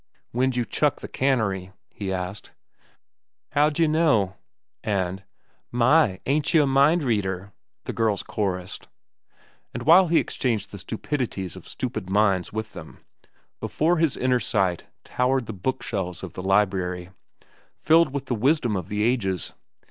"When'd you chuck the cannery?" he asked. "How'd yeh know?" and, "My, ain't cheh a mind reader!" the girls chorussed. And while he exchanged the stupidities of stupid minds with them, before his inner sight towered the book shelves of the library, filled with the wisdom of the ages.